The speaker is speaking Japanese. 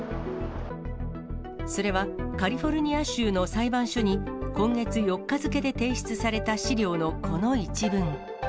それは、カリフォルニア州の裁判所に、今月４日付で提出された資料のこの一文。